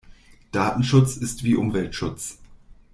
Datenschutz ist wie Umweltschutz.